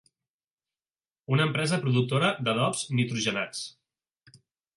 Una empresa productora d'adobs nitrogenats.